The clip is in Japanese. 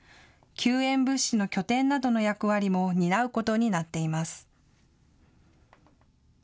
救援物資の拠点などの役割も担うことになっています。